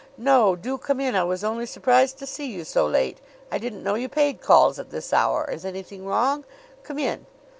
"No. Do come in! I was only surprised to see you so late. I didn't know you paid calls at this hour. Is anything wrong? Come in."